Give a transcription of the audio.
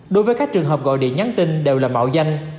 đối với các trường hợp gọi điện nhắn tin đều là mạo danh